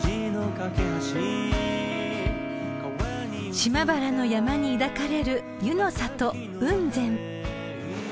［島原の山に抱かれる湯の里雲仙］